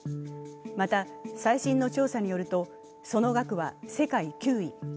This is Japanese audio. また、最新の調査によるとその額は世界９位。